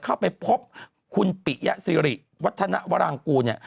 เข้าไปพบคุณปิยสิริวัฒนวรางกูเนี่ย